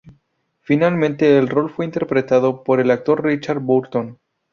Finalmente el rol fue interpretado por el actor Richard Burton.